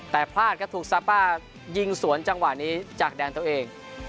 แต่พลาดครับถูกซาป้ายิงสวนจังหวะนี้จากแดนตัวเอง